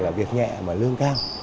mẹ mà lương cao